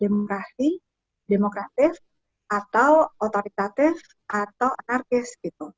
jadi apakah kesepakatan ini dicapai dengan demokrasi atau otoritatif atau anarkis